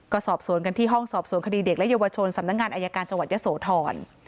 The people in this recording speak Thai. ก็สอบสวนกันที่ห้องสอบสวนคดีเด็กและเยาวชนสำนักงานอายการจังหวัดยะโสธร